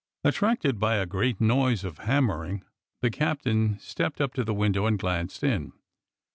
Attracted by a great noise of hammering, the captain stepped up to the window and glanced in.